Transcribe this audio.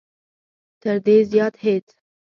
تر دې زیات هېڅ.